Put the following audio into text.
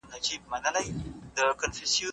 زه هیڅکله په خپل ژوند کي سستي نه کوم.